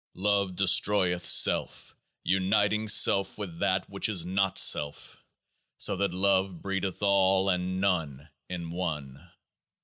Love destroyeth self, uniting self with that which is not self, so that Love breedeth All and None in One.